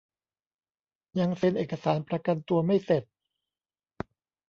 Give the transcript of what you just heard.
ยังเซ็นเอกสารประกันตัวไม่เสร็จ